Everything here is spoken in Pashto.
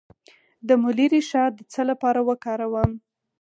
د مولی ریښه د څه لپاره وکاروم؟